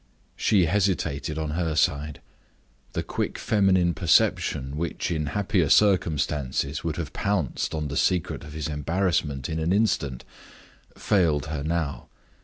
She hesitated on her side. The quick feminine perception which, in happier circumstances, would have pounced on the secret of his embarrassment in an instant, failed her now.